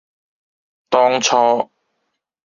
當初，